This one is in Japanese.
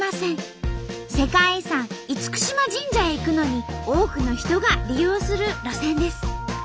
世界遺産嚴島神社へ行くのに多くの人が利用する路線です。